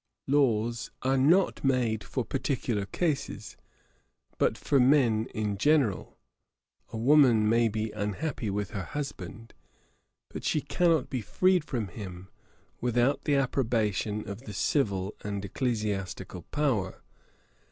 Laws are not made for particular cases, but for men in general. A woman may be unhappy with her husband; but she cannot be freed from him without the approbation of the civil and ecclesiastical power.